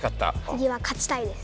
つぎは勝ちたいです。